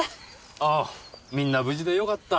ああみんな無事でよかった。